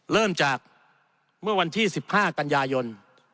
เริ่มจากเมื่อวันที่๑๕กันยายน